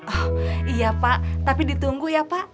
oh iya pak tapi ditunggu ya pak